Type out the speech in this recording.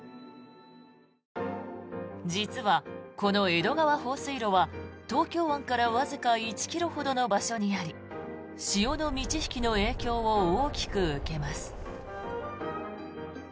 実はこの江戸川放水路は東京湾からわずか１ｋｍほどの場所にあり潮の満ち引きの影響を大きく受けます。